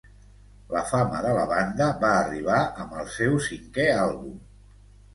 La fama de la banda va arribar amb el seu cinquè àlbum